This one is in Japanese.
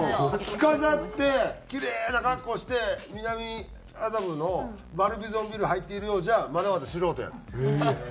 着飾ってキレイな格好して南麻布のバルビゾンビル入っているようじゃまだまだ素人やって。